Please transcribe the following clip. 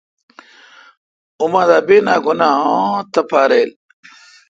اماں دا بینہ ک نہ اں تھپاریل۔